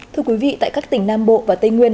thưa quý vị tại các tỉnh nam bộ và tây nguyên